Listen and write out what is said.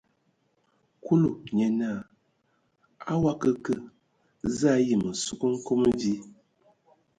Kúlu nye naa: A o akǝ kə, za a ayi hm ma sug nkom vi?